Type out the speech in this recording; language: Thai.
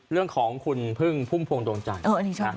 เรื่องของคุณพึ่งพุ่มพวงดวงจันทร์